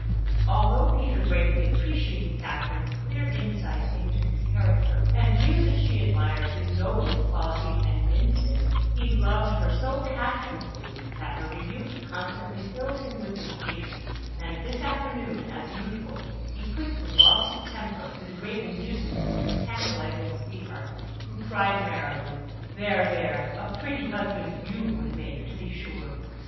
Although Peter greatly appreciated Catherine's clear insight into his character, and knew that she admired his nobler qualities and instincts, he loved her so passionately that her rebukes constantly filled him with impatience; and this afternoon, as usual, he quickly lost his temper, to the great amusement of his tantalising sweetheart, who cried merrily, "There! There! A pretty husband you would make, to be sure!"